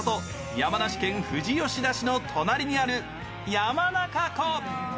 山梨県富士吉田市の隣にある山中湖。